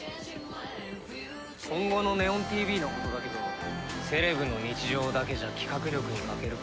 今後の「祢音ＴＶ」のことだけどセレブの日常だけじゃ企画力に欠けるから。